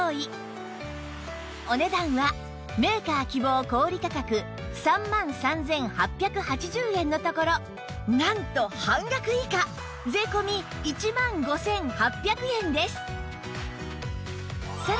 お値段はメーカー希望小売価格３万３８８０円のところなんと半額以下税込１万５８００円です